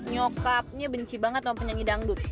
nyokapnya benci banget sama penyanyi dangdut